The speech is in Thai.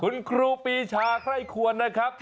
หุ่นครูปีชาใครควรนะครับ